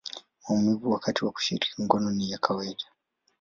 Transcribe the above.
maumivu wakati wa kushiriki ngono ni ya kawaida.